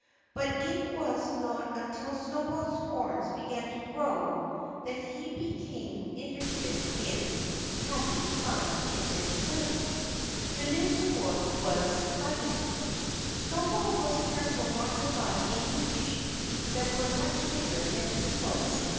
But it was not until Snowball's horns began to grow that he became interested in having fun in this way. The new sport was butting. Snowball was careful not to butt any sheep that were much bigger than he was.